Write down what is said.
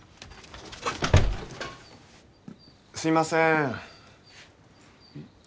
すいません。